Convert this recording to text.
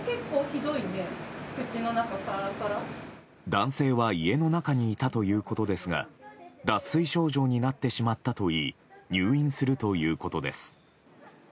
男性は家の中にいたということですが脱水症状になってしまったといい入院するということです。